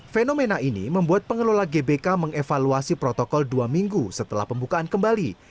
fenomena ini membuat pengelola gbk mengevaluasi protokol dua minggu setelah pembukaan kembali